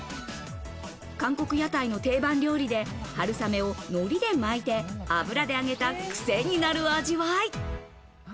韓国屋台の定番料理で、春雨を海苔で巻いて油で揚げた、くせになる味わい。